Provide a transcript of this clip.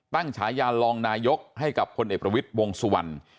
ฉายารองนายกให้กับพลเอกประวิทย์วงสุวรรณ